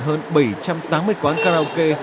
hơn bảy trăm tám mươi quán karaoke